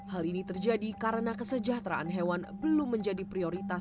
hal ini terjadi karena kesejahteraan hewan belum mencapai kepentingan